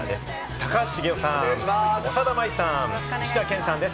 高橋茂雄さん、長田麻衣さん、石田健さんです。